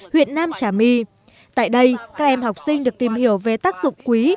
huyện nam trà my tại đây các em học sinh được tìm hiểu về tác dụng quý